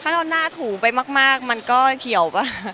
ถ้าเราหน้าถูไปมากมันก็เหี่ยวป่ะ